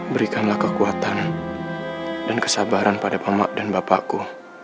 berikanlah kekuatan dan kesabaran pada mama dan bapakku